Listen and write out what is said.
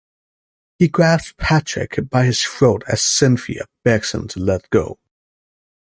He grabs Patrick by his throat, as Cynthia begs him to let go.